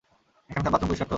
এখানকার বাথরুম পরিষ্কার তো?